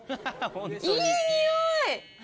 いいにおい。